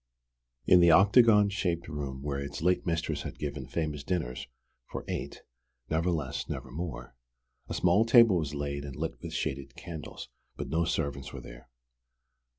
In the octagon shaped room where its late mistress had given famous dinners for eight never less, never more a small table was laid and lit with shaded candles, but no servants were there.